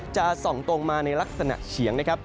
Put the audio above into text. จะส่องตรงมาในลักษณะเฉียง